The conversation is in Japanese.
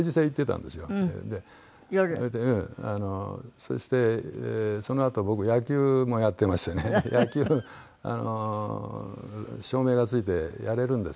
そしてそのあと僕野球もやってましてね野球照明がついてやれるんですけどね。